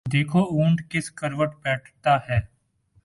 دیکھو اونٹ کس کروٹ بیٹھتا ہے ۔